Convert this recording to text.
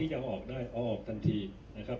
ที่จะเอาออกได้เอาออกทันทีนะครับ